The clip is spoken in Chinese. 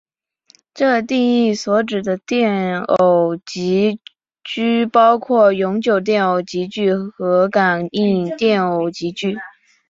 这定义所指的电偶极矩包括永久电偶极矩和感应电偶极矩。